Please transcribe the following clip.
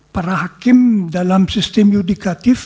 para hakim dalam sistem yudikatif